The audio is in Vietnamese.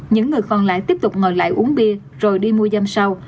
những người còn lại tiếp tục ngồi lại uống bia rồi đi mua dâm sau